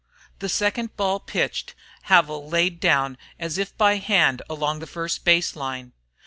The second ball pitched, Havil laid down as if by hand along the first base line.